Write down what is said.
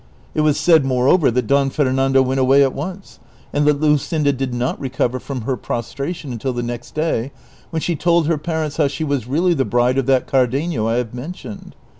It was said, moreover, that Don Fernando went away at once, and that Luscinda did not recover from her prostration until the next day, when she told her parents how she was really the bride of that Cardenio I have mentioned.